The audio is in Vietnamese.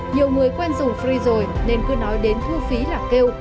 nhiều người quen dùng free rồi nên cứ nói đến thu phí lạc kêu